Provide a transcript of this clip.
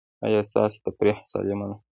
ایا ستاسو تفریح سالمه ده؟